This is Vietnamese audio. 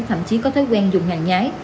thậm chí có thói quen dùng hàng nhái